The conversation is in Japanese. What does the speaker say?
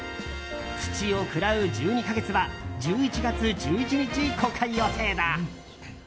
「土を喰らう十二ヵ月」は１１月１１日公開予定だ。